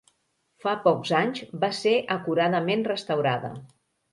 Fa pocs anys va ser acuradament restaurada.